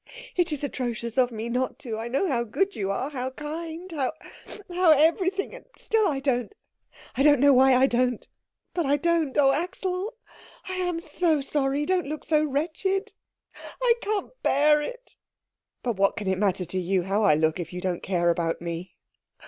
It is atrocious of me not to I know how good you are, how kind, how how everything. And still I don't. I don't know why I don't, but I don't. Oh, Axel, I am so sorry don't look so wretched I can't bear it." "But what can it matter to you how I look if you don't care about me?"